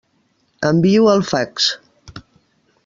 Envio el fax.